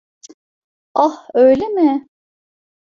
Ah, öyle mi?